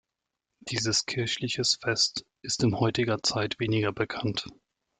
Dieses kirchliches Fest ist in heutiger Zeit weniger bekannt.